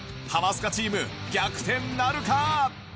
ハマスカチーム逆転なるか？